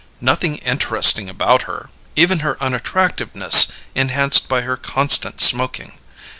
Nothing interesting about her even her unattractiveness enhanced by her constant smoking.